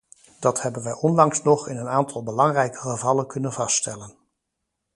Dat hebben wij onlangs nog in een aantal belangrijke gevallen kunnen vaststellen.